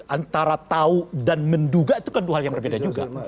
antara tahu dan menduga itu kan dua hal yang berbeda juga